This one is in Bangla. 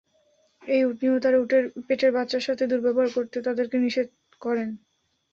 এই উটনী ও তার পেটের বাচ্চার সাথে দুর্ব্যবহার করতে তাদেরকে তিনি নিষেধ করেন।